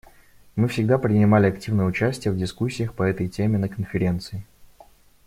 Мы всегда принимали активное участие в дискуссиях по этой теме на Конференции.